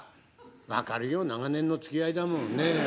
分かるよ長年のつきあいだもんね。